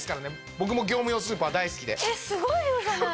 僕も業務用スーパー大好きで。